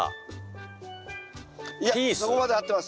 いやそこまで合ってます。